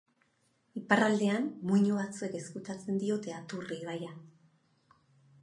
Iparraldean, muino batzuek ezkutatzen diote Aturri ibaia